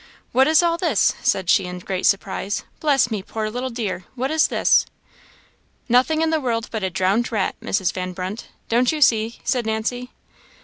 "What is all this?" said she, in great surprise. "Bless me! poor little dear! what is this?" "Nothing in the world but a drowned rat, Mrs. Van Brunt, don't you see?" said Nancy.